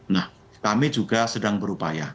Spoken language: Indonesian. nah kami juga sedang berupaya